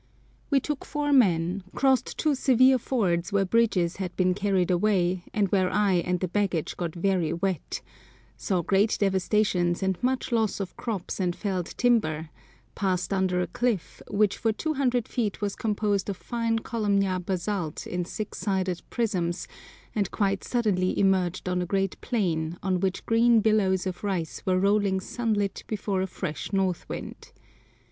We took four men, crossed two severe fords where bridges had been carried away, and where I and the baggage got very wet; saw great devastations and much loss of crops and felled timber; passed under a cliff, which for 200 feet was composed of fine columnar basalt in six sided prisms, and quite suddenly emerged on a great plain, on which green billows of rice were rolling sunlit before a fresh north wind.